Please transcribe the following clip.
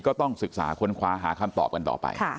ก็ต้องศึกษาค้นคว้าหาคำตอบกันต่อไป